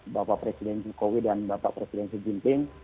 bapak presiden jokowi dan bapak presiden xi jinping